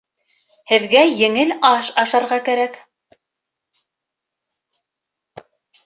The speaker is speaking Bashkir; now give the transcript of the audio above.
Һеҙгә еңел аш ашарға кәрәк.